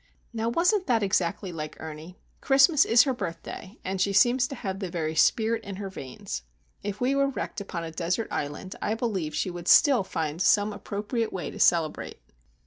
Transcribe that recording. Now wasn't that exactly like Ernie? Christmas is her birthday, and she seems to have the very spirit in her veins. If we were wrecked upon a desert island, I believe she would still find some appropriate way to celebrate.